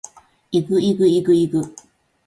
ｲｸﾞｲｸﾞｲｸﾞｲｸﾞ